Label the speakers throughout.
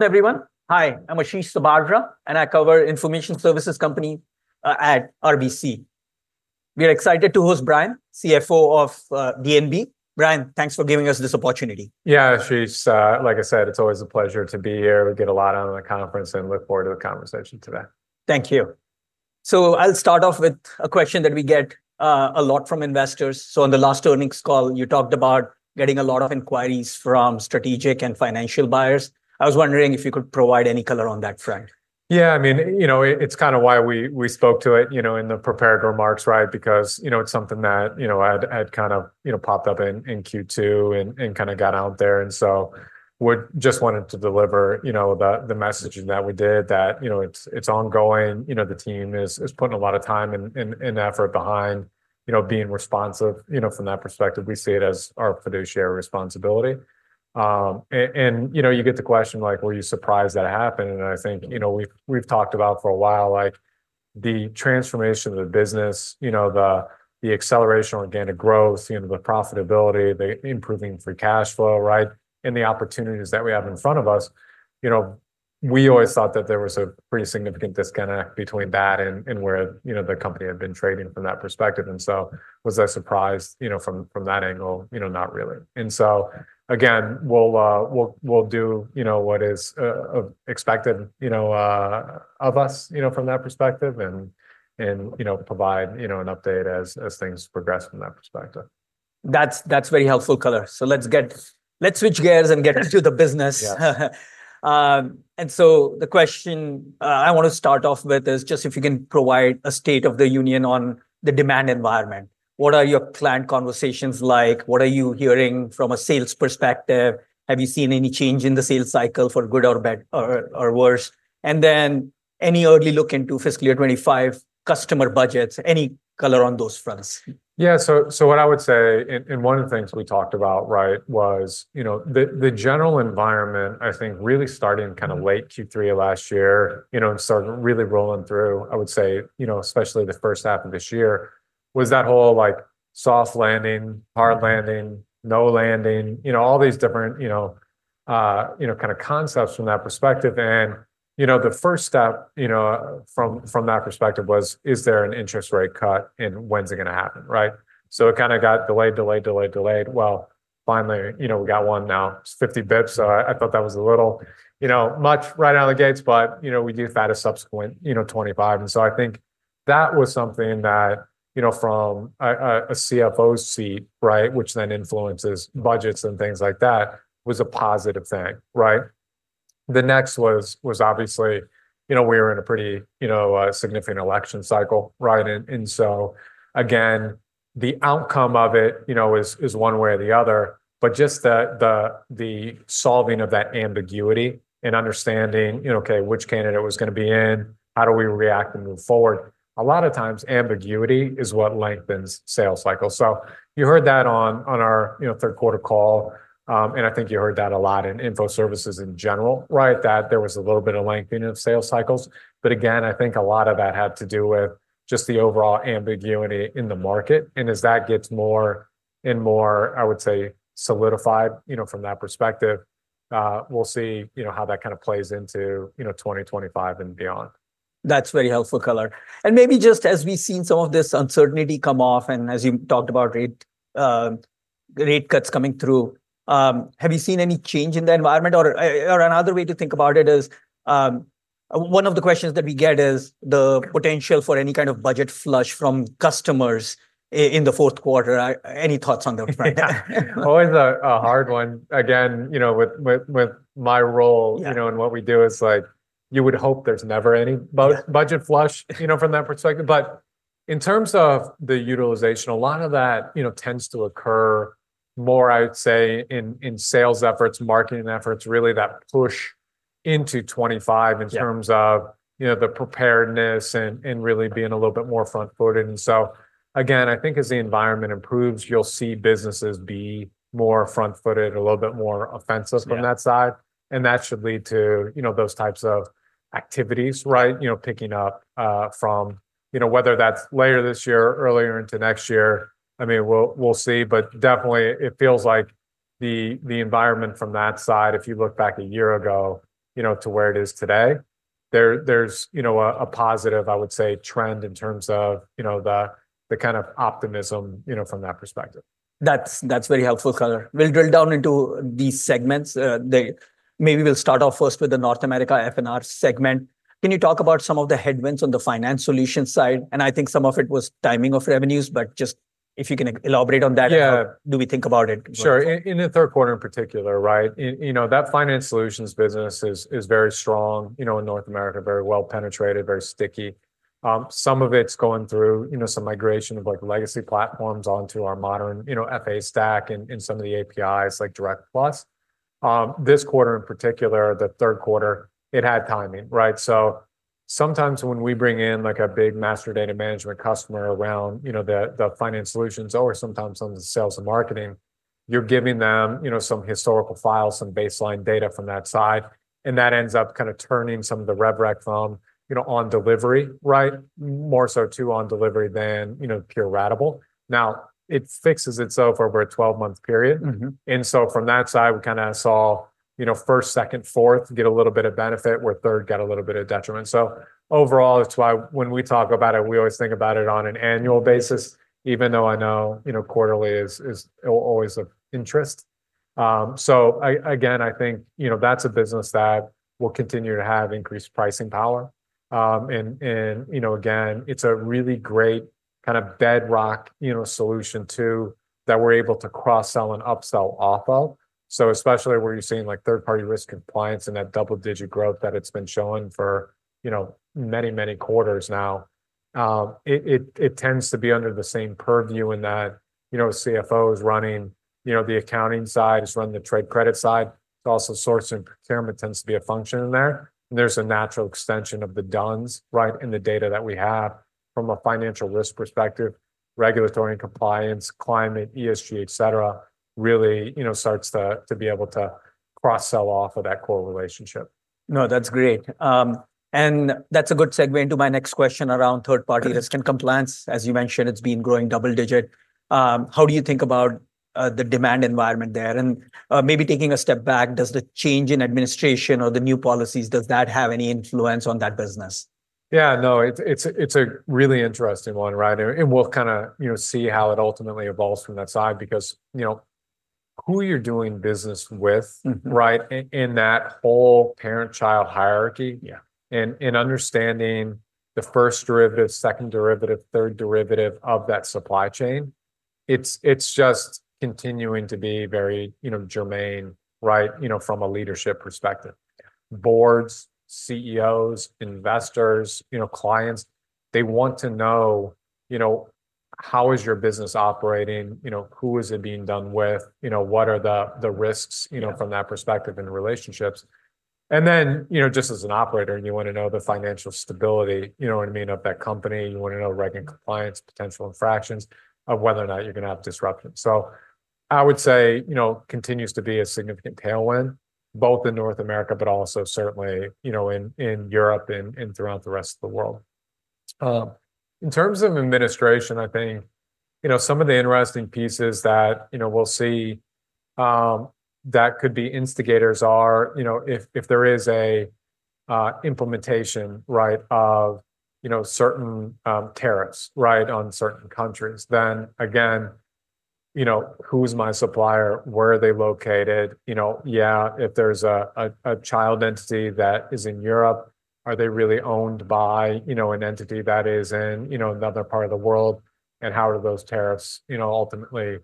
Speaker 1: Everyone. Hi, I'm Ashish Sabadra, and I cover information services companies at RBC. We are excited to host Bryan, CFO of D&B. Bryan, thanks for giving us this opportunity.
Speaker 2: Yeah, Ashish, like I said, it's always a pleasure to be here. We get a lot out of the conference, and I look forward to the conversation today.
Speaker 1: Thank you. So I'll start off with a question that we get a lot from investors. So on the last earnings call, you talked about getting a lot of inquiries from strategic and financial buyers. I was wondering if you could provide any color on that front.
Speaker 2: Yeah, I mean, you know, it's kind of why we spoke to it, you know, in the prepared remarks, right? Because, you know, it's something that, you know, had kind of, you know, popped up in Q2 and kind of got out there. And so we just wanted to deliver, you know, the messaging that we did, that, you know, it's ongoing. You know, the team is putting a lot of time and effort behind, you know, being responsive, you know, from that perspective. We see it as our fiduciary responsibility. And, you know, you get the question like, were you surprised that happened? And I think, you know, we've talked about for a while, like the transformation of the business, you know, the acceleration of organic growth, you know, the profitability, the improving free cash flow, right? The opportunities that we have in front of us, you know, we always thought that there was a pretty significant disconnect between that and where, you know, the company had been trading from that perspective. So was I surprised, you know, from that angle? You know, not really. So again, we'll do, you know, what is expected, you know, of us, you know, from that perspective and, you know, provide, you know, an update as things progress from that perspective.
Speaker 1: That's very helpful, color. So let's switch gears and get into the business. And so the question I want to start off with is just if you can provide a state of the union on the demand environment. What are your client conversations like? What are you hearing from a sales perspective? Have you seen any change in the sales cycle, for good or bad or worse? And then any early look into fiscal year 2025 customer budgets? Any color on those fronts?
Speaker 2: Yeah, so what I would say, and one of the things we talked about, right, was, you know, the general environment, I think, really starting kind of late Q3 of last year, you know, and started really rolling through, I would say, you know, especially the first half of this year, was that whole like soft landing, hard landing, no landing, you know, all these different, you know, kind of concepts from that perspective. And, you know, the first step, you know, from that perspective was, is there an interest rate cut? And when's it going to happen? Right? So it kind of got delayed, delayed, delayed, delayed. Well, finally, you know, we got one now. It's 50 basis points. So I thought that was a little, you know, much right out of the gates. But, you know, we did that a subsequent, you know, 2025. And so I think that was something that, you know, from a CFO seat, right, which then influences budgets and things like that, was a positive thing, right? The next was obviously, you know, we were in a pretty, you know, significant election cycle, right? And so again, the outcome of it, you know, is one way or the other, but just the solving of that ambiguity and understanding, you know, okay, which candidate was going to be in, how do we react and move forward? A lot of times ambiguity is what lengthens sales cycles. So you heard that on our, you know, third quarter call. And I think you heard that a lot in info services in general, right, that there was a little bit of lengthening of sales cycles. But again, I think a lot of that had to do with just the overall ambiguity in the market. And as that gets more and more, I would say, solidified, you know, from that perspective, we'll see, you know, how that kind of plays into, you know, 2025 and beyond.
Speaker 1: That's very helpful, Color, and maybe just as we've seen some of this uncertainty come off and as you talked about rate cuts coming through, have you seen any change in the environment? Or another way to think about it is one of the questions that we get is the potential for any kind of budget flush from customers in the fourth quarter. Any thoughts on that front?
Speaker 2: Always a hard one. Again, you know, with my role, you know, and what we do is like, you would hope there's never any budget flush, you know, from that perspective. But in terms of the utilization, a lot of that, you know, tends to occur more, I would say, in sales efforts, marketing efforts, really that push into 2025 in terms of, you know, the preparedness and really being a little bit more front footed. And so again, I think as the environment improves, you'll see businesses be more front footed, a little bit more offensive from that side. And that should lead to, you know, those types of activities, right? You know, picking up from, you know, whether that's later this year, earlier into next year, I mean, we'll see. But definitely, it feels like the environment from that side, if you look back a year ago, you know, to where it is today, there's, you know, a positive, I would say, trend in terms of, you know, the kind of optimism, you know, from that perspective.
Speaker 1: That's very helpful, color. We'll drill down into these segments. Maybe we'll start off first with the North America F&R segment. Can you talk about some of the headwinds on the finance solution side? And I think some of it was timing of revenues, but just if you can elaborate on that. Do we think about it?
Speaker 2: Sure. In the third quarter in particular, right? You know, that finance solutions business is very strong, you know, in North America, very well penetrated, very sticky. Some of it's going through, you know, some migration of like legacy platforms onto our modern, you know, F&R stack and some of the APIs like Direct. This quarter in particular, the third quarter, it had timing, right? Sometimes when we bring in like a big master data management customer around, you know, the finance solutions or sometimes some of the sales and marketing, you're giving them, you know, some historical files, some baseline data from that side, and that ends up kind of turning some of the revenue rec from, you know, on delivery, right? More so to on delivery than, you know, pure ratable. Now, it fixes itself over a 12-month period. And so from that side, we kind of saw, you know, first, second, fourth, get a little bit of benefit, where third, get a little bit of detriment. So overall, it's why when we talk about it, we always think about it on an annual basis, even though I know, you know, quarterly is always of interest. So again, I think, you know, that's a business that will continue to have increased pricing power. And, you know, again, it's a really great kind of bedrock, you know, solution too that we're able to cross-sell and upsell off of. So especially where you're seeing like third-party risk compliance and that double-digit growth that it's been showing for, you know, many, many quarters now, it tends to be under the same purview in that, you know, CFO is running, you know, the accounting side, is running the trade credit side. Also, sourcing procurement tends to be a function in there. There's a natural extension of the DUNS, right? The data that we have from a financial risk perspective, regulatory and compliance, climate, ESG, et cetera, really, you know, starts to be able to cross-sell off of that core relationship.
Speaker 1: No, that's great. And that's a good segue into my next question around third-party risk and compliance. As you mentioned, it's been growing double-digit. How do you think about the demand environment there? And maybe taking a step back, does the change in administration or the new policies, does that have any influence on that business?
Speaker 2: Yeah, no, it's a really interesting one, right? And we'll kind of, you know, see how it ultimately evolves from that side because, you know, who you're doing business with, right, in that whole parent-child hierarchy and understanding the first derivative, second derivative, third derivative of that supply chain, it's just continuing to be very, you know, germane, right? You know, from a leadership perspective. Boards, CEOs, investors, you know, clients, they want to know, you know, how is your business operating? You know, who is it being done with? You know, what are the risks, you know, from that perspective and relationships? And then, you know, just as an operator, you want to know the financial stability, you know what I mean, of that company. You want to know reg and compliance, potential infractions of whether or not you're going to have disruption. So I would say, you know, continues to be a significant tailwind, both in North America, but also certainly, you know, in Europe and throughout the rest of the world. In terms of administration, I think, you know, some of the interesting pieces that, you know, we'll see that could be instigators are, you know, if there is an implementation, right, of, you know, certain tariffs, right, on certain countries, then again, you know, who's my supplier? Where are they located? You know, yeah, if there's a child entity that is in Europe, are they really owned by, you know, an entity that is in, you know, another part of the world? And how do those tariffs, you know, ultimately,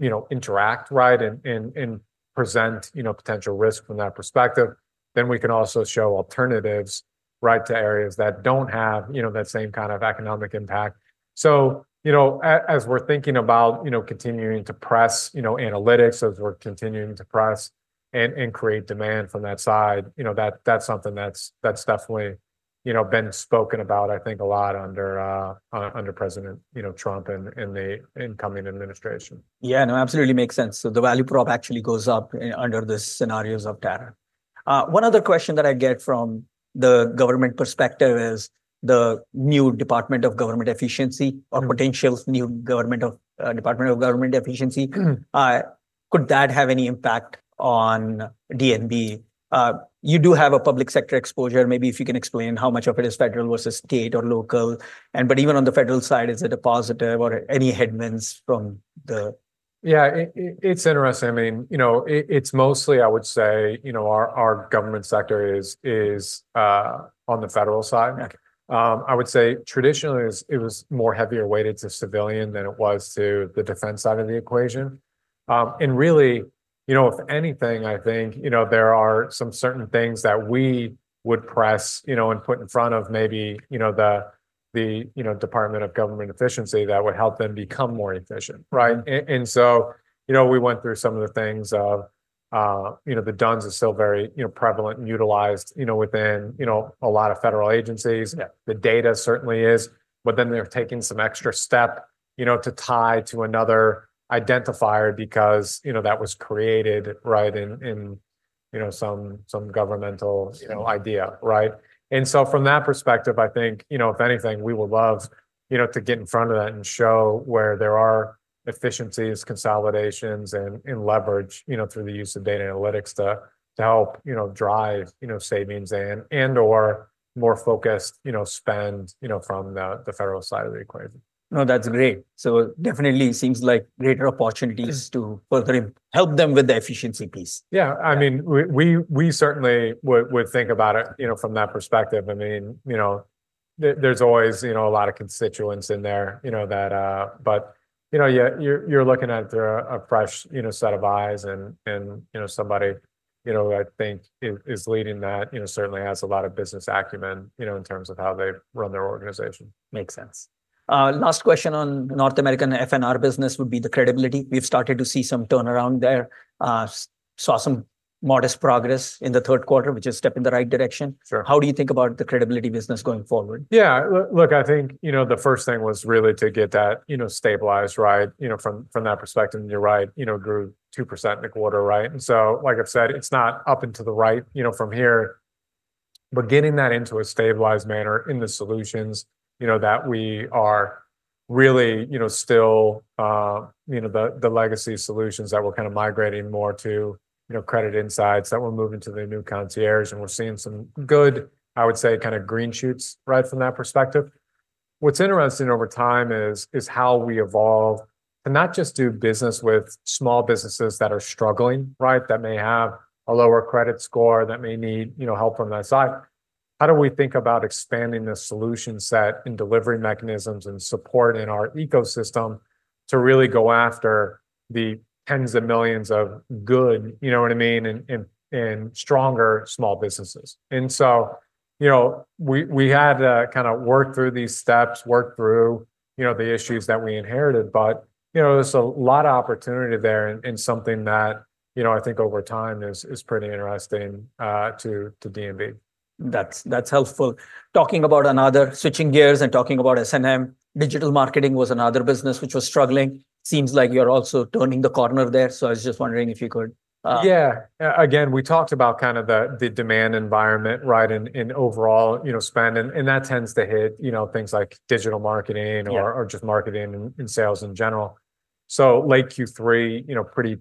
Speaker 2: you know, interact, right, and present, you know, potential risk from that perspective? Then we can also show alternatives, right, to areas that don't have, you know, that same kind of economic impact. So, you know, as we're thinking about, you know, continuing to press, you know, analytics and create demand from that side, you know, that's something that's definitely, you know, been spoken about, I think, a lot under President Trump and the incoming administration.
Speaker 1: Yeah, no, absolutely makes sense. So the value prop actually goes up under the scenarios of tariff. One other question that I get from the government perspective is the new Department of Government Efficiency or potential new Department of Government Efficiency. Could that have any impact on D&B? You do have a public sector exposure. Maybe if you can explain how much of it is federal versus state or local. And but even on the federal side, is it a positive or any headwinds from the?
Speaker 2: Yeah, it's interesting. I mean, you know, it's mostly, I would say, you know, our government sector is on the federal side. I would say traditionally, it was more heavier weighted to civilian than it was to the defense side of the equation. And really, you know, if anything, I think, you know, there are some certain things that we would press, you know, and put in front of maybe, you know, the Department of Government Efficiency that would help them become more efficient, right? And so, you know, we went through some of the things of, you know, the DUNS is still very, you know, prevalent and utilized, you know, within, you know, a lot of federal agencies. The data certainly is, but then they're taking some extra step, you know, to tie to another identifier because, you know, that was created, right, in, you know, some governmental, you know, idea, right? And so from that perspective, I think, you know, if anything, we would love, you know, to get in front of that and show where there are efficiencies, consolidations, and leverage, you know, through the use of data analytics to help, you know, drive, you know, savings and/or more focused, you know, spend, you know, from the federal side of the equation.
Speaker 1: No, that's great. So definitely seems like greater opportunities to further help them with the efficiency piece.
Speaker 2: Yeah, I mean, we certainly would think about it, you know, from that perspective. I mean, you know, there's always, you know, a lot of constituents in there, you know, that, but, you know, you're looking at through a fresh, you know, set of eyes and, you know, somebody, you know, I think is leading that, you know, certainly has a lot of business acumen, you know, in terms of how they run their organization.
Speaker 1: Makes sense. Last question on North American F&R business would be the credibility. We've started to see some turnaround there. Saw some modest progress in the third quarter, which is step in the right direction. How do you think about the credibility business going forward?
Speaker 2: Yeah, look, I think, you know, the first thing was really to get that, you know, stabilized, right? You know, from that perspective, and you're right, you know, grew 2% in the quarter, right? And so, like I've said, it's not up into the right, you know, from here, but getting that into a stabilized manner in the solutions, you know, that we are really, you know, still, you know, the legacy solutions that we're kind of migrating more to, you know, Credit Insights that we're moving to the new Credit Concierge. And we're seeing some good, I would say, kind of green shoots, right, from that perspective. What's interesting over time is how we evolve and not just do business with small businesses that are struggling, right, that may have a lower credit score that may need, you know, help from that side. How do we think about expanding the solution set and delivery mechanisms and support in our ecosystem to really go after the tens of millions of good, you know what I mean, and stronger small businesses? And so, you know, we had to kind of work through these steps, work through, you know, the issues that we inherited, but, you know, there's a lot of opportunity there and something that, you know, I think over time is pretty interesting to D&B.
Speaker 1: That's helpful. Talking about another, switching gears and talking about S&M, digital marketing was another business which was struggling. Seems like you're also turning the corner there. So I was just wondering if you could.
Speaker 2: Yeah, again, we talked about kind of the demand environment, right, and overall, you know, spend. And that tends to hit, you know, things like digital marketing or just marketing and sales in general. So late Q3, you know, pretty,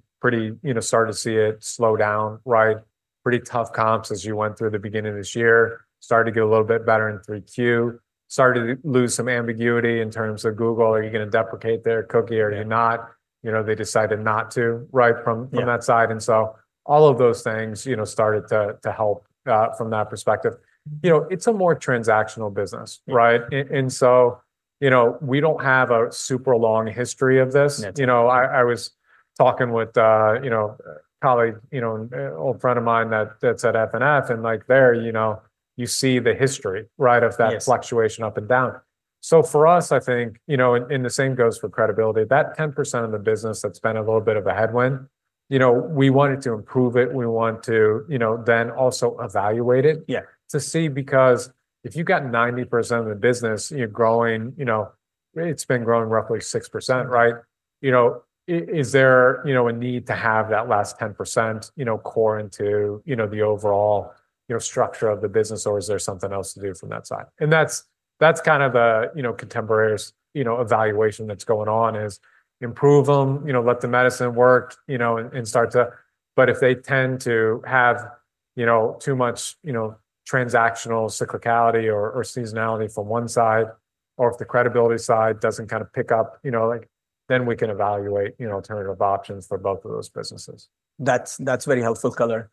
Speaker 2: you know, started to see it slow down, right? Pretty tough comps as you went through the beginning of this year, started to get a little bit better in Q3, started to lose some ambiguity in terms of Google, are you going to deprecate their cookie or are you not? You know, they decided not to, right, from that side. And so all of those things, you know, started to help from that perspective. You know, it's a more transactional business, right? And so, you know, we don't have a super long history of this. You know, I was talking with, you know, a colleague, you know, an old friend of mine that's at FNF and like there, you know, you see the history, right, of that fluctuation up and down. So for us, I think, you know, and the same goes for credibility, that 10% of the business that's been a little bit of a headwind, you know, we wanted to improve it. We want to, you know, then also evaluate it to see because if you've got 90% of the business, you're growing, you know, it's been growing roughly 6%, right? You know, is there, you know, a need to have that last 10%, you know, core into, you know, the overall, you know, structure of the business or is there something else to do from that side? And that's kind of the, you know, contemporary evaluation that's going on is improve them, you know, let the medicine work, you know, and start to, but if they tend to have, you know, too much, you know, transactional cyclicality or seasonality from one side or if the credibility side doesn't kind of pick up, you know, like then we can evaluate, you know, alternative options for both of those businesses.
Speaker 1: That's very helpful, caller.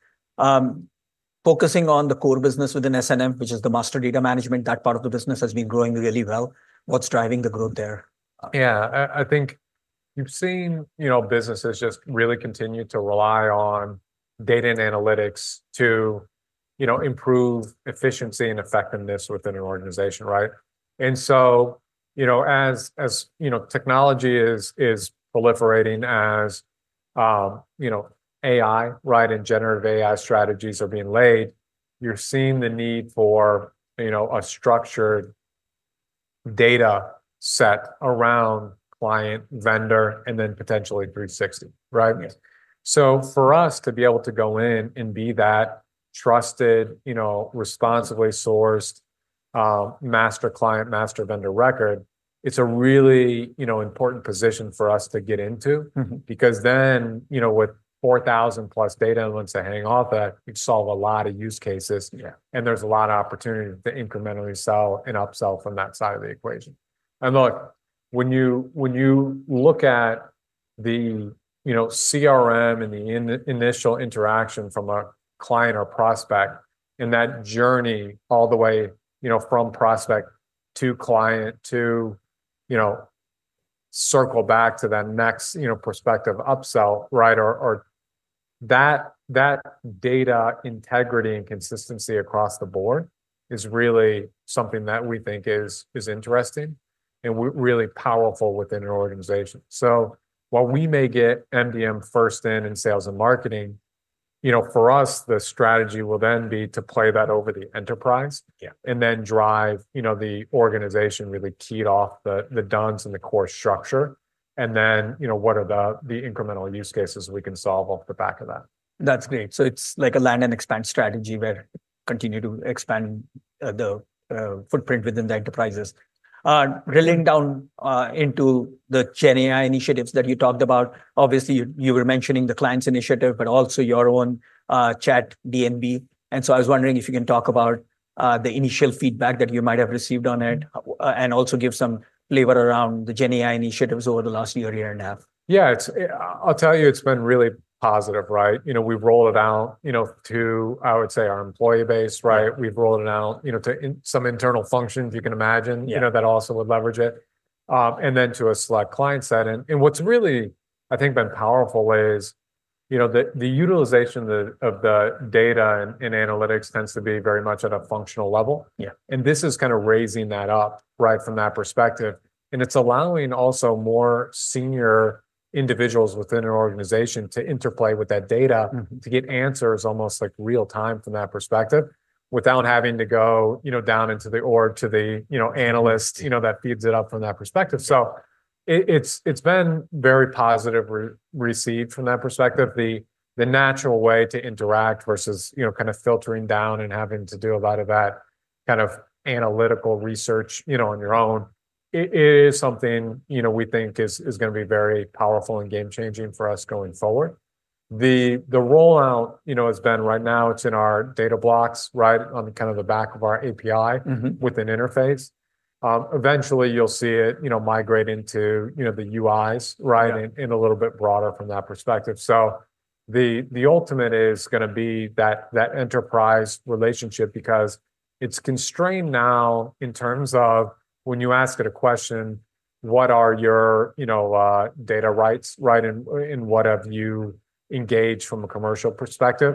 Speaker 1: Focusing on the core business within S&M, which is the master data management, that part of the business has been growing really well. What's driving the growth there?
Speaker 2: Yeah, I think you've seen, you know, businesses just really continue to rely on data and analytics to, you know, improve efficiency and effectiveness within an organization, right? And so, you know, as, you know, technology is proliferating as, you know, AI, right, and generative AI strategies are being laid, you're seeing the need for, you know, a structured data set around client, vendor, and then potentially 360, right? So for us to be able to go in and be that trusted, you know, responsibly sourced master client, master vendor record, it's a really, you know, important position for us to get into because then, you know, with 4,000 plus data and once they hang off that, you solve a lot of use cases and there's a lot of opportunity to incrementally sell and upsell from that side of the equation. And look, when you look at the, you know, CRM and the initial interaction from a client or prospect and that journey all the way, you know, from prospect to client to, you know, circle back to that next, you know, prospective upsell, right? Or that data integrity and consistency across the board is really something that we think is interesting and really powerful within an organization. So while we may get MDM first in and sales and marketing, you know, for us, the strategy will then be to play that over the enterprise and then drive, you know, the organization really keyed off the DUNS and the core structure. And then, you know, what are the incremental use cases we can solve off the back of that?
Speaker 1: That's great. So it's like a land and expand strategy where continue to expand the footprint within the enterprises. Drilling down into the Gen AI initiatives that you talked about, obviously you were mentioning the client's initiative, but also your own Chat D&B. And so I was wondering if you can talk about the initial feedback that you might have received on it and also give some flavor around the Gen AI initiatives over the last year, year and a half.
Speaker 2: Yeah, I'll tell you, it's been really positive, right? You know, we've rolled it out, you know, to, I would say, our employee base, right? We've rolled it out, you know, to some internal functions. You can imagine, you know, that also would leverage it and then to a select client set, and what's really, I think, been powerful is, you know, the utilization of the data and analytics tends to be very much at a functional level, and this is kind of raising that up, right, from that perspective, and it's allowing also more senior individuals within an organization to interplay with that data to get answers almost like real time from that perspective without having to go, you know, down into the org to the, you know, analyst, you know, that feeds it up from that perspective. So it's been very positively received from that perspective. The natural way to interact versus, you know, kind of filtering down and having to do a lot of that kind of analytical research, you know, on your own, it is something, you know, we think is going to be very powerful and game-changing for us going forward. The rollout, you know, has been right now, it's in our Data Blocks, right, on kind of the back of our API with an interface. Eventually, you'll see it, you know, migrate into, you know, the UIs, right, and a little bit broader from that perspective. So the ultimate is going to be that enterprise relationship because it's constrained now in terms of when you ask it a question, what are your, you know, data rights, right, and what have you engaged from a commercial perspective?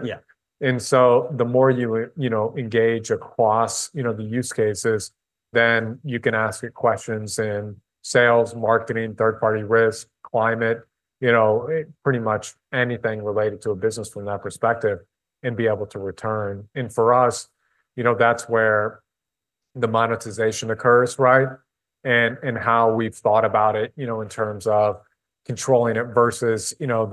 Speaker 2: So the more you, you know, engage across, you know, the use cases, then you can ask it questions in sales, marketing, third-party risk, climate, you know, pretty much anything related to a business from that perspective and be able to return. For us, you know, that's where the monetization occurs, right? How we've thought about it, you know, in terms of controlling it versus, you know,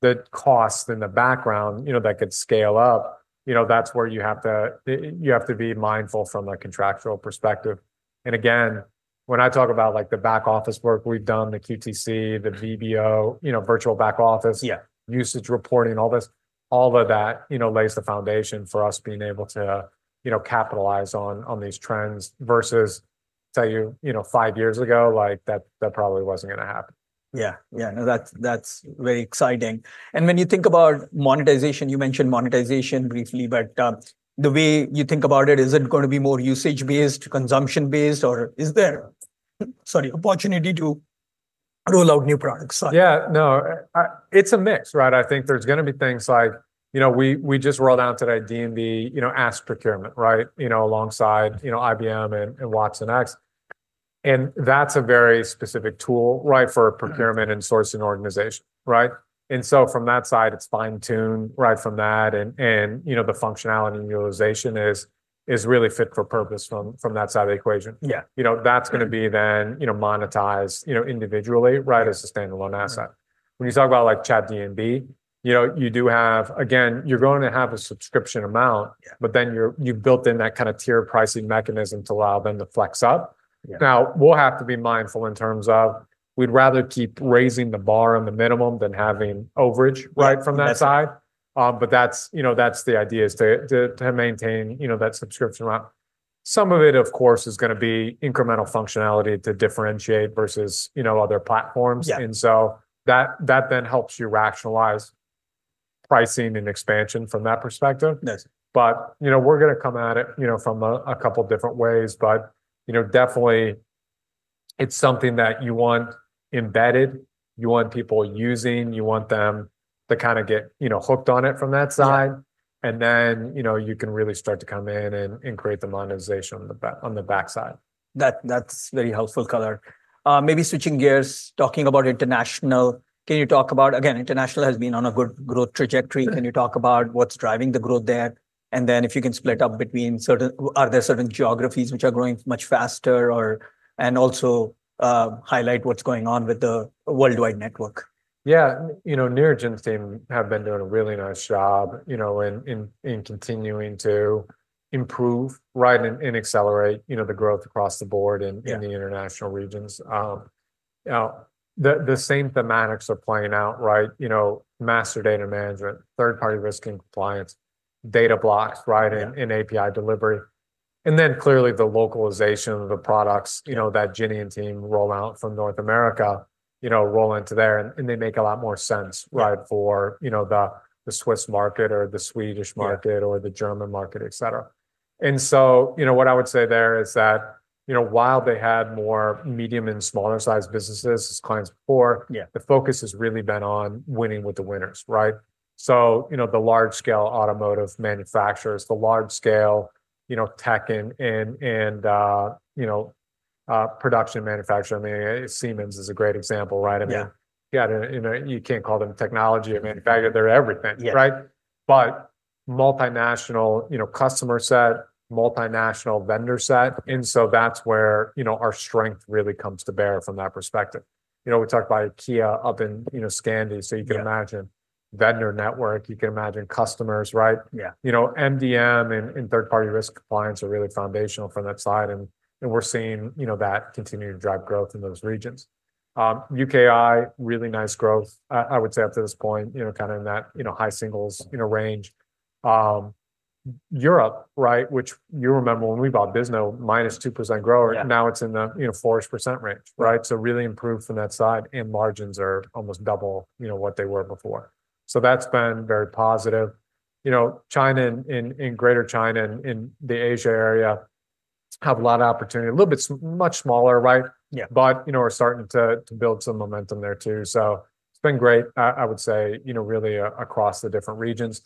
Speaker 2: the cost in the background, you know, that could scale up, you know, that's where you have to, you have to be mindful from a contractual perspective. Again, when I talk about like the back office work we've done, the QTC, the VBO, you know, virtual back office, usage reporting, all this, all of that, you know, lays the foundation for us being able to, you know, capitalize on these trends versus tell you, you know, five years ago, like that probably wasn't going to happen.
Speaker 1: Yeah, yeah, no, that's very exciting. And when you think about monetization, you mentioned monetization briefly, but the way you think about it, is it going to be more usage-based, consumption-based, or is there, sorry, opportunity to roll out new products?
Speaker 2: Yeah, no, it's a mix, right? I think there's going to be things like, you know, we just rolled out today D&B Ask Procurement, right? You know, alongside, you know, IBM and Watsonx, and that's a very specific tool, right, for a procurement and sourcing organization, right? And so from that side, it's fine-tuned, right, from that, and, you know, the functionality and utilization is really fit for purpose from that side of the equation. You know, that's going to be then, you know, monetized, you know, individually, right, as a standalone asset. When you talk about like Chat D&B, you know, you do have, again, you're going to have a subscription amount, but then you've built in that kind of tiered pricing mechanism to allow them to flex up. Now, we'll have to be mindful in terms of we'd rather keep raising the bar on the minimum than having overage, right, from that side. But that's, you know, that's the idea is to maintain, you know, that subscription amount. Some of it, of course, is going to be incremental functionality to differentiate versus, you know, other platforms. And so that then helps you rationalize pricing and expansion from that perspective. But, you know, we're going to come at it, you know, from a couple of different ways. But, you know, definitely it's something that you want embedded, you want people using, you want them to kind of get, you know, hooked on it from that side. And then, you know, you can really start to come in and create the monetization on the backside.
Speaker 1: That's very helpful, Color. Maybe switching gears, talking about international, can you talk about, again, international has been on a good growth trajectory. Can you talk about what's driving the growth there? And then if you can split up between certain, are there certain geographies which are growing much faster or, and also highlight what's going on with the Worldwide Network?
Speaker 2: Yeah, you know, Neeraj team have been doing a really nice job, you know, in continuing to improve, right, and accelerate, you know, the growth across the board in the international regions. Now, the same thematics are playing out, right? You know, master data management, third-party risk and compliance, data blocks, right, and API delivery. And then clearly the localization of the products, you know, that Ginny and team roll out from North America, you know, roll into there and they make a lot more sense, right, for, you know, the Swiss market or the Swedish market or the German market, et cetera. And so, you know, what I would say there is that, you know, while they had more medium and smaller sized businesses as clients before, the focus has really been on winning with the winners, right? So, you know, the large scale automotive manufacturers, the large scale, you know, tech and, you know, production manufacturer, I mean, Siemens is a great example, right? I mean, yeah, you can't call them technology or manufacturer, they're everything, right? But multinational, you know, customer set, multinational vendor set. And so that's where, you know, our strength really comes to bear from that perspective. You know, we talked about IKEA up in, you know, Scandi, so you can imagine vendor network, you can imagine customers, right? You know, MDM and third-party risk compliance are really foundational from that side. And we're seeing, you know, that continue to drive growth in those regions. UKI, really nice growth, I would say up to this point, you know, kind of in that, you know, high singles, you know, range. Europe, right, which you remember when we bought Bisnode, minus 2% growth, now it's in the, you know, 4% range, right? So really improved from that side and margins are almost double, you know, what they were before. So that's been very positive. You know, China and Greater China in the Asia area have a lot of opportunity, a little bit much smaller, right? But, you know, we're starting to build some momentum there too. So it's been great, I would say, you know, really across the different regions.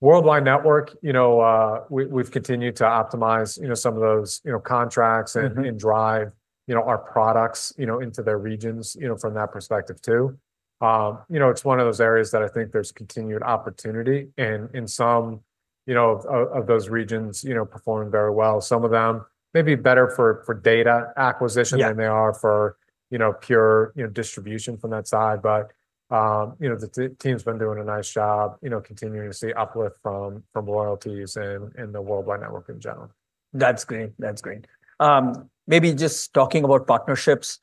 Speaker 2: Worldwide Network, you know, we've continued to optimize, you know, some of those, you know, contracts and drive, you know, our products, you know, into their regions, you know, from that perspective too. You know, it's one of those areas that I think there's continued opportunity and in some, you know, of those regions, you know, performing very well. Some of them may be better for data acquisition than they are for, you know, pure, you know, distribution from that side. But, you know, the team's been doing a nice job, you know, continuing to see uplift from royalties and the Worldwide Network in general.
Speaker 1: That's great. That's great. Maybe just talking about partnerships,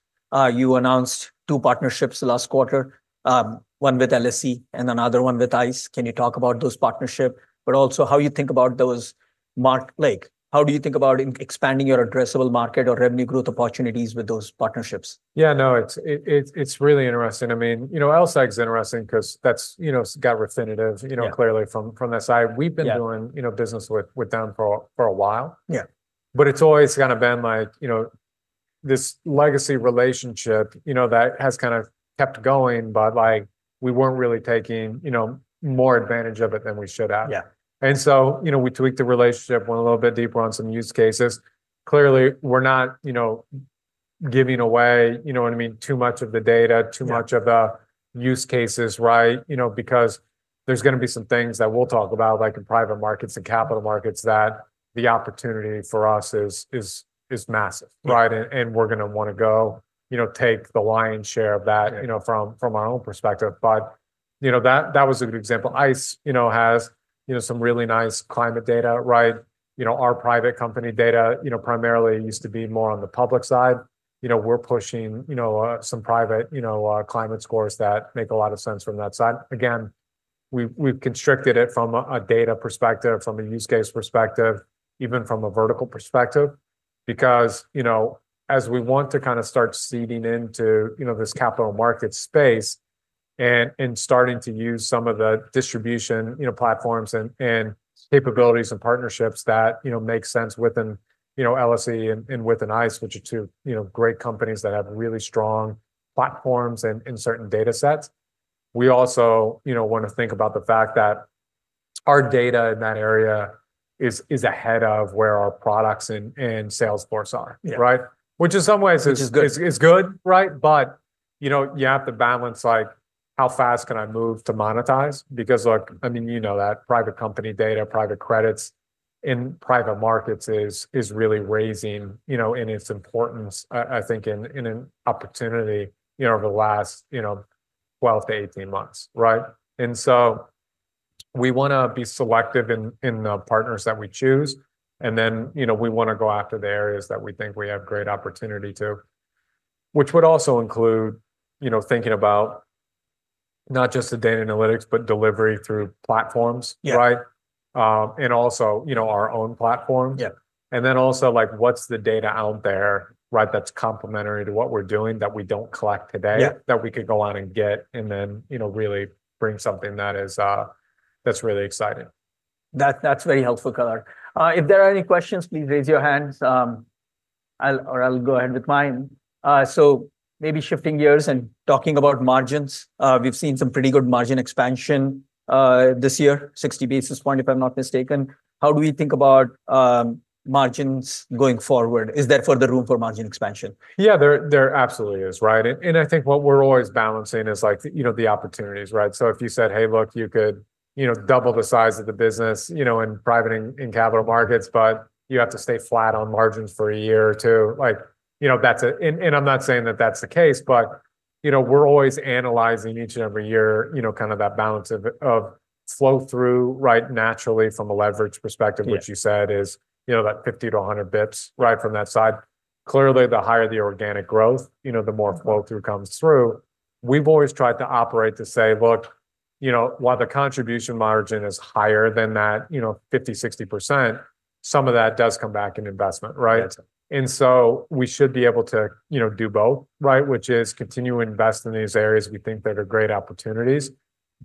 Speaker 1: you announced two partnerships last quarter, one with LSE and another one with ICE. Can you talk about those partnerships, but also how you think about those market, like how do you think about expanding your addressable market or revenue growth opportunities with those partnerships?
Speaker 2: Yeah, no, it's really interesting. I mean, you know, LSE is interesting because that's, you know, got Refinitiv, you know, clearly from that side. We've been doing, you know, business with them for a while. Yeah, but it's always kind of been like, you know, this legacy relationship, you know, that has kind of kept going, but like we weren't really taking, you know, more advantage of it than we should have. Yeah, and so, you know, we tweaked the relationship, went a little bit deeper on some use cases. Clearly, we're not, you know, giving away, you know what I mean, too much of the data, too much of the use cases, right? You know, because there's going to be some things that we'll talk about, like in private markets and capital markets that the opportunity for us is massive, right? And we're going to want to go, you know, take the lion's share of that, you know, from our own perspective. But, you know, that was a good example. ICE, you know, has, you know, some really nice climate data, right? You know, our private company data, you know, primarily used to be more on the public side. You know, we're pushing, you know, some private, you know, climate scores that make a lot of sense from that side. Again, we've constricted it from a data perspective, from a use case perspective, even from a vertical perspective, because, you know, as we want to kind of start seeding into, you know, this capital market space and starting to use some of the distribution, you know, platforms and capabilities and partnerships that, you know, make sense within, you know, LSE and within ICE, which are two, you know, great companies that have really strong platforms and certain data sets. We also, you know, want to think about the fact that our data in that area is ahead of where our products and sales force are, right? Which in some ways is good, right? But, you know, you have to balance like how fast can I move to monetize? Because look, I mean, you know, that private company data, private credits in private markets is really raising, you know, in its importance, I think, in an opportunity, you know, over the last, you know, 12-18 months, right? And so we want to be selective in the partners that we choose. And then, you know, we want to go after the areas that we think we have great opportunity to, which would also include, you know, thinking about not just the data analytics, but delivery through platforms, right? And also, you know, our own platforms. And then also like, what's the data out there, right? That's complementary to what we're doing that we don't collect today that we could go on and get and then, you know, really bring something that is, that's really exciting.
Speaker 1: That's very helpful, Color. If there are any questions, please raise your hands or I'll go ahead with mine. So maybe shifting gears and talking about margins. We've seen some pretty good margin expansion this year, 60 basis points, if I'm not mistaken. How do we think about margins going forward? Is there further room for margin expansion?
Speaker 2: Yeah, there absolutely is, right? And I think what we're always balancing is like, you know, the opportunities, right? So if you said, hey, look, you could, you know, double the size of the business, you know, in private and capital markets, but you have to stay flat on margins for a year or two. Like, you know, that's a, and I'm not saying that that's the case, but, you know, we're always analyzing each and every year, you know, kind of that balance of flow through, right, naturally from a leverage perspective, which you said is, you know, that 50 to 100 basis points, right, from that side. Clearly, the higher the organic growth, you know, the more flow through comes through. We've always tried to operate to say, look, you know, while the contribution margin is higher than that, you know, 50%-60%, some of that does come back in investment, right? And so we should be able to, you know, do both, right? Which is continue to invest in these areas we think that are great opportunities,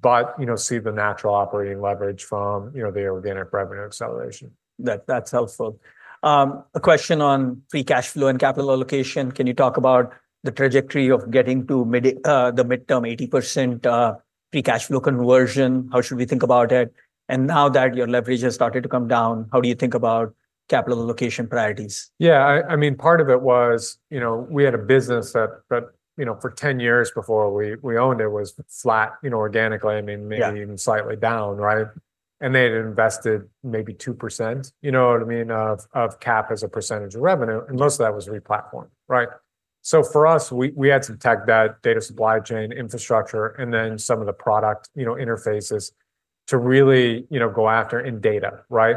Speaker 2: but, you know, see the natural operating leverage from, you know, the organic revenue acceleration.
Speaker 1: That's helpful. A question on free cash flow and capital allocation. Can you talk about the trajectory of getting to the midterm 80% free cash flow conversion? How should we think about it? And now that your leverage has started to come down, how do you think about capital allocation priorities?
Speaker 2: Yeah, I mean, part of it was, you know, we had a business that, you know, for 10 years before we owned it was flat, you know, organically, I mean, maybe even slightly down, right? And they had invested maybe 2%, you know what I mean, of CapEx as a percentage of revenue. And most of that was replatformed, right? So for us, we had to protect that data supply chain infrastructure and then some of the product, you know, interfaces to really, you know, go after in data, right?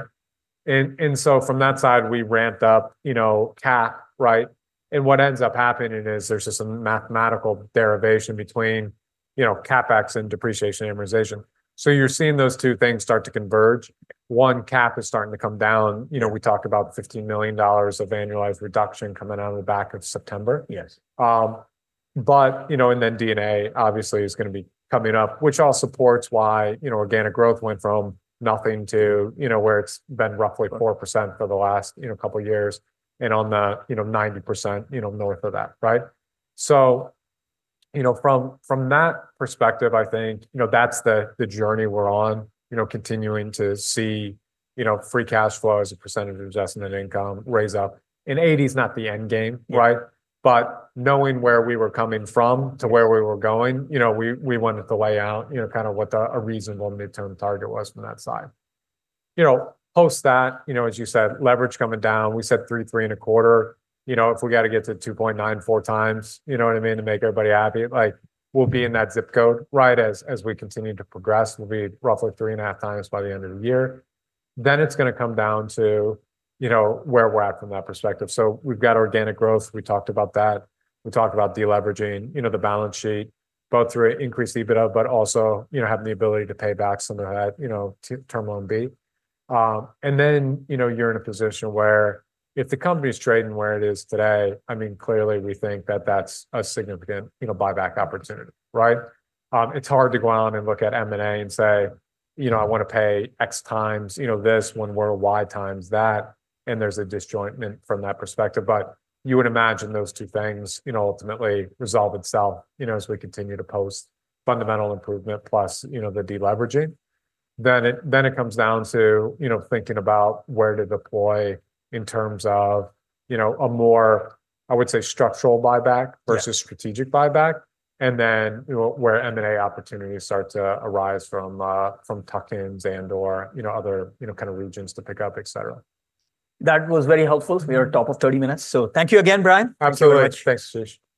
Speaker 2: And so from that side, we ramped up, you know, Cap, right? And what ends up happening is there's just a mathematical derivation between, you know, CapEx and depreciation and amortization. So you're seeing those two things start to converge. One, CapEx is starting to come down. You know, we talked about $15 million of annualized reduction coming out of the back of September. Yes. But, you know, and then D&A obviously is going to be coming up, which all supports why, you know, organic growth went from nothing to, you know, where it's been roughly 4% for the last, you know, couple of years and on the, you know, 90%, you know, north of that, right? So, you know, from that perspective, I think, you know, that's the journey we're on, you know, continuing to see, you know, free cash flow as a percentage of revenue raise up. It is not the end game, right? But knowing where we were coming from to where we were going, you know, we wanted to lay out, you know, kind of what a reasonable mid-term target was from that side. You know, post that, you know, as you said, leverage coming down, we said three, three and a quarter, you know, if we got to get to 2.94 times, you know what I mean, to make everybody happy, like we'll be in that zip code, right? As we continue to progress, we'll be roughly three and a half times by the end of the year. Then it's going to come down to, you know, where we're at from that perspective. So we've got organic growth. We talked about that. We talked about deleveraging, you know, the balance sheet, both through increased EBITDA, but also, you know, having the ability to pay back some of that, you know, Term Loan B. And then, you know, you're in a position where if the company's trading where it is today, I mean, clearly we think that that's a significant, you know, buyback opportunity, right? It's hard to go on and look at M&A and say, you know, I want to pay X times, you know, this when we're Y times that. And there's a disjoint from that perspective. But you would imagine those two things, you know, ultimately resolve itself, you know, as we continue to post fundamental improvement plus, you know, the deleveraging. Then it comes down to, you know, thinking about where to deploy in terms of, you know, a more, I would say, structural buyback versus strategic buyback. And then where M&A opportunities start to arise from tuck-ins and/or, you know, other, you know, kind of regions to pick up, et cetera.
Speaker 1: That was very helpful. We are top of 30 minutes, so thank you again, Bryan.
Speaker 2: Absolutely. Thanks, Ashish.